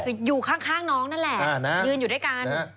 คืออยู่ข้างน้องนั่นแหละยืนอยู่ด้วยกัน